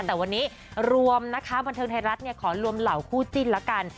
แต่วันนี้รวมนะคะบันเทิงไทยรัฐขอรวมเหล่าคู่จิ้นละกัน